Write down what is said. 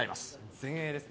前衛ですね。